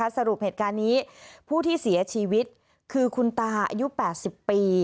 สรุปเหตุการณ์นี้ผู้ที่เสียชีวิตคือคุณตาอายุ๘๐ปี